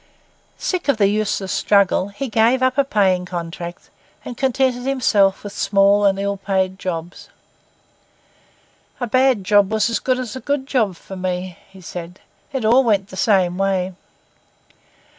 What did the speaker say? Sick of the useless struggle, he gave up a paying contract, and contented himself with small and ill paid jobs. 'A bad job was as good as a good job for me,' he said; 'it all went the same way.